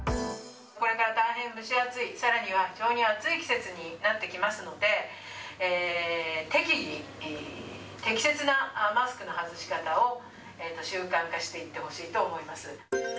これから大変蒸し暑い、さらには非常に暑い季節になってきますので、適宜適切なマスクの外し方を習慣化していってほしいと思います。